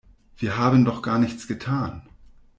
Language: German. Wir haben doch gar nichts getan.